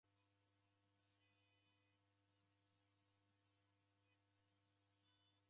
Waida naro naighu mghondinyi.